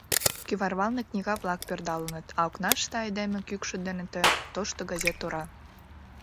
Кӱварвалне книга-влак пӧрдалыныт, а окнаште айдеме кӱкшыт дене тӧр — тошто газет ора.